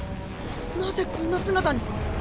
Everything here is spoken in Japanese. なぜこんな姿に。